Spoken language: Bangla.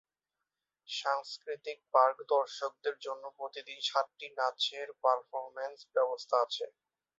সাংস্কৃতিক পার্ক দর্শকদের জন্য প্রতিদিন সাতটি নাচের পারফরম্যান্সের ব্যবস্থা আছে।